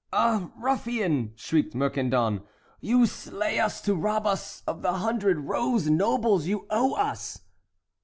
"Ah, ruffian!" shrieked Mercandon, "you slay us to rob us of the hundred rose nobles you owe us."